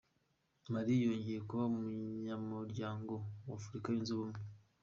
Mali yongeye kuba umunyamuryango wa Afurika Yunze Ubumwe